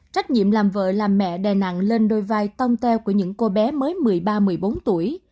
trách nhiệm làm vợ làm mẹ đè nặng lên đôi vai tông tèo của những cô bé mới một mươi ba một mươi bốn tuổi